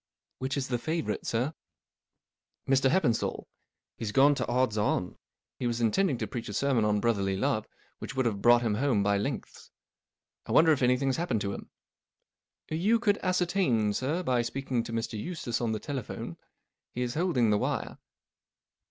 *' Which is the favourite, sir ?"" Mr* HeppenstalJ, He's gone to odds on* He was intending to preach a sermon on Brotherly Love which would have brought him home by lengths. 1 wonder if anything's happened to him." M You could ascertain, sir, by speaking to Mr. Eustace ort the telephone. He is holding the wire."